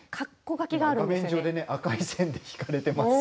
画面上で赤い線で引かれてますけども。